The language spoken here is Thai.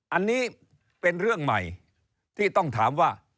อันนี้เป็นเรื่องใหม่ที่ต้องถามว่า